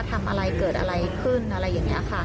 ทำอะไรเกิดอะไรขึ้นอะไรอย่างนี้ค่ะ